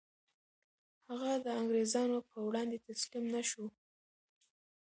هغه د انګریزانو په وړاندې تسلیم نه شو.